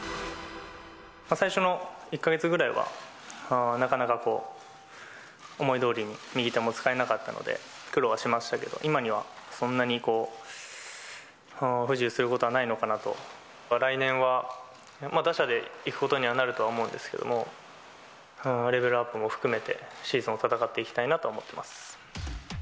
最初の１か月ぐらいは、なかなかこう、思いどおりに右手も使えなかったので苦労はしましたけど、今はそんなにこう、不自由することはないのかなと。来年は打者でいくことにはなるとは思うんですけども、レベルアップを含めて、シーズンを戦っていきたいなとは思ってます。